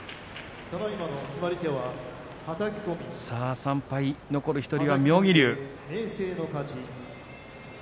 ３敗、残る１人は妙義龍。